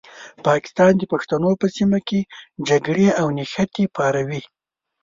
پاکستان د پښتنو په سیمه کې جګړې او نښتې پاروي.